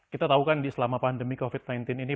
kita tahu kan selama pandemi covid sembilan belas ini